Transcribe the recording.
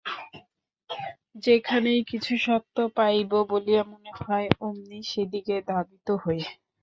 যেখানেই কিছু সত্য পাইব বলিয়া মনে হয়, অমনি সেদিকে ধাবিত হই।